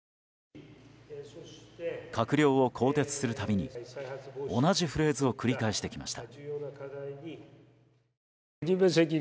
閣僚を更迭するたびに同じフレーズを繰り返してきました。